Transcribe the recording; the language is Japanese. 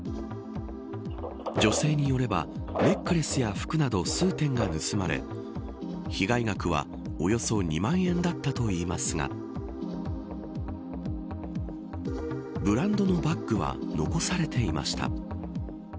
女性によればネックレスや服など数点が盗まれ、被害額はおよそ２万円だったといいますがブランドのバッグは残されていました。